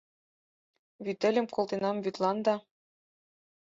Вӱтельым колтенам вӱдлан да